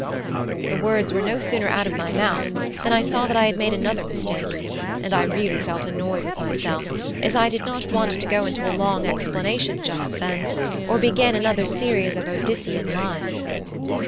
The words were no sooner out of my mouth than I saw that I had made another mistake; and I felt really annoyed with myself, as I did not want to go into a long explanation just then, or begin another series of Odyssean lies.